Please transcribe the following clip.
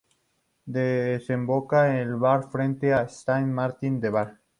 Desemboca en el Var frente a Saint-Martin-de-Var.